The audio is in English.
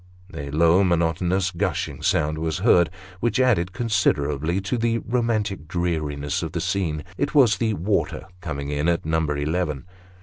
A low, monotonous, gushing sound was heard, which added considerably to the romantic dreariness of the scene, it was the water " coming in " at number eleven.